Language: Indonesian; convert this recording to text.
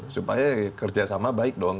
supaya kerjasama baik dong